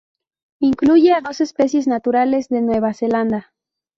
Incluye a dos especies naturales de Nueva Zelanda.